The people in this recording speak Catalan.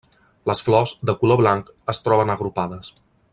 Les flors, de color blanc, es troben agrupades.